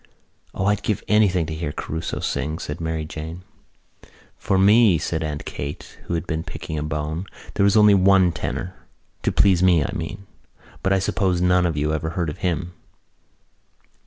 "O, I'd give anything to hear Caruso sing," said Mary Jane. "For me," said Aunt Kate, who had been picking a bone, "there was only one tenor. To please me, I mean. But I suppose none of you ever heard of him."